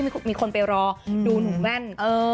ที่มีคนไปรอดูหนูแม่น